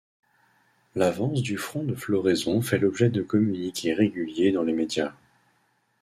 L'avance du front de floraison fait l'objet de communiqués réguliers dans les médias.